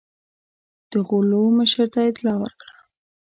د غلو مشر ته اطلاع ورکړه.